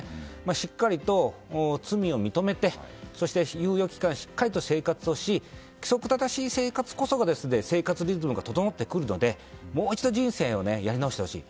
しっかりと罪を認めて猶予期間でしっかりと生活をし規則正しい生活こそが生活リズムが整ってくるのでもう一度、人生をやり直してほしい。